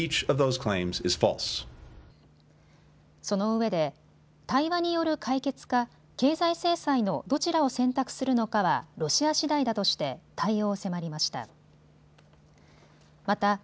そのうえで、対話による解決か経済制裁のどちらを選択するのかはロシアしだいだとして対応を迫りました。